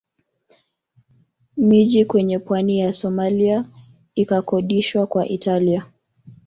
Miji kwenye pwani ya Somalia ikakodishwa kwa Italia